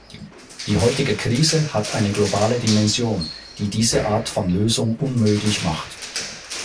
Die heutige Krise hat eine globale Dimension, die diese Art von Lösung unmöglich macht.